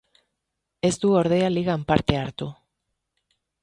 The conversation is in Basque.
Ez du ordea Ligan parte hartu.